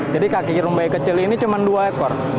jadi kaki rumbai kecil ini cuma dua ekor